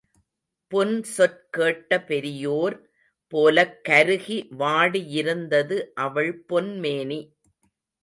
புன்சொற் கேட்ட பெரியோர் போலக் கருகி வாடியிருந்தது அவள் பொன் மேனி.